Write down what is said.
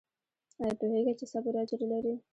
ایا پوهیږئ چې صبر اجر لري؟